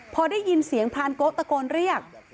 พอได้ยินเสียงพรานโกะตะโกนเรียก